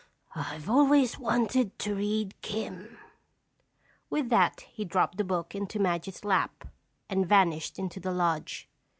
"I've always wanted to read 'Kim'." With that he dropped the book into Madge's lap and vanished into the lodge.